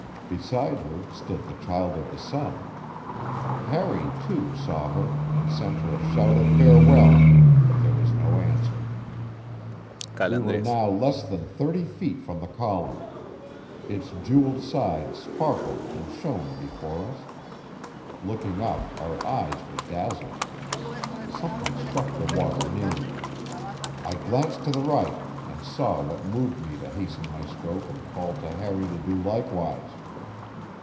Beside her stood the Child of the Sun. Harry, too, saw her and sent her a shout of farewell, but there was no answer. We were now less than thirty feet from the column. Its jeweled sides sparkled and shone before us; looking up, our eyes were dazzled. Something struck the water near me. I glanced to the right and saw what moved me to hasten my stroke and call to Harry to do likewise.